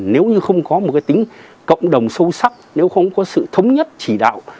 nếu như không có một cái tính cộng đồng sâu sắc nếu không có sự thống nhất chỉ đạo